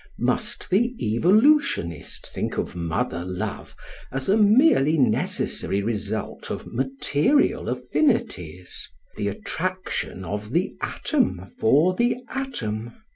Must the evolutionist think of mother love as a merely necessary result of material affinities, — the attrac tion of the atom for the atom